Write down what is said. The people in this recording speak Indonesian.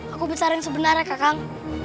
aku bicara yang sebenarnya kakang